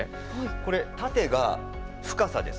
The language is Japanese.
これ縦が深さです。